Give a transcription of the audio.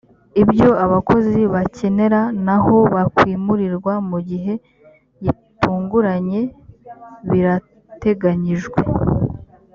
ibyo abakozi bakenera naho bakwimurirwa mu gihe gitunguranye birateganijwe